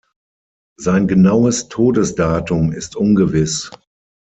Sein genaues Todesdatum ist ungewiss.